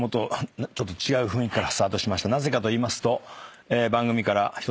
なぜかといいますと。